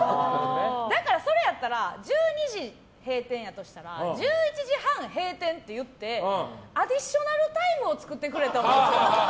だからそれやったら１２時閉店やとしたら１１時半閉店って言ってアディショナルタイムを作ってくれと。